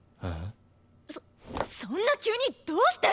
そそんな急にどうして！